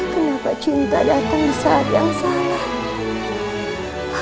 kenapa cinta datang di saat yang salah